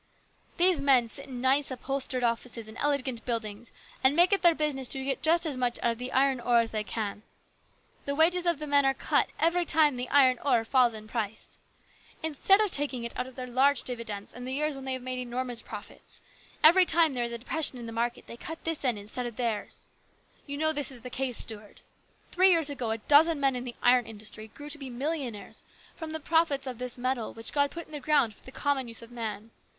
These men sit in nice, upholstered offices in elegant buildings and make it their business to get just as much out of the iron ore as they can. The wages of the men are cut every time ore falls in price. Instead of taking it out of their own large dividends in the years when they have made enormous profits, every time there is a depression in the market they cut this end instead of theirs. You know this is the case, Stuart Three years ago a dozen men in the iron industry grew to be millionaires from the profits of this metal which God put in the ground for the common use of man.